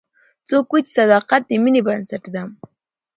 څوک وایي چې صداقت د مینې بنسټ ده